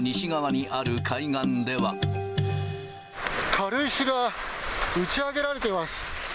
軽石が打ち上げられています。